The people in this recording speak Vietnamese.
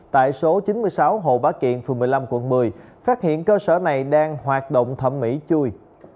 tại số chín mươi sáu hồ bá kiện phường một mươi năm quận một mươi phát hiện cơ sở này đang hoạt động thẩm mỹ chui